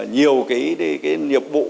nhiều cái nhiệm vụ